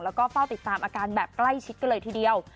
แล้วก็เฝ้าติดตามอาการแบบใกล้ชิดกันเลยทีเดียว